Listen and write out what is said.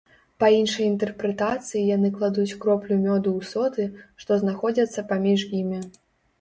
Па іншай інтэрпрэтацыі яны кладуць кроплю мёду ў соты, што знаходзяцца паміж імі.